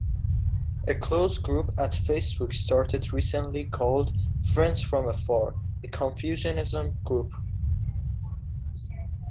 A closed group at Facebook started recently called, Friends from Afar: A Confucianism Group.